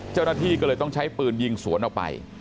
เจ้าหน้าที่ก็เลยต้องใช้ปืนยิงสวนออกไป